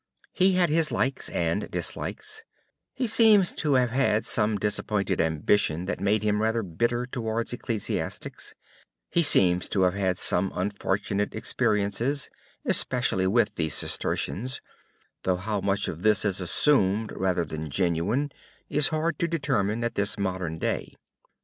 He had his likes and dislikes, he seems to have had some disappointed ambition that made him rather bitter towards ecclesiastics, he seems to have had some unfortunate experiences, especially with the Cistercians, though how much of this is assumed rather than genuine, is hard to determine at this modern day.